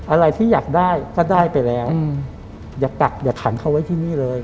อะไรที่อยากได้ก็ได้ไปแล้วอย่ากักอย่าขังเขาไว้ที่นี่เลย